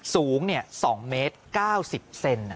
สูง๒เมตร๙๐เซน